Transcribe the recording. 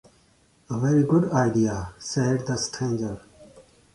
"A very good idea," said the stranger.